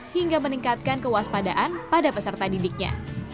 hingga meningkatkan kewaspadaan pada peserta didiknya